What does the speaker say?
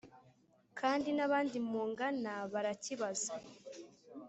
kandi n’abandi mungana barakibaza.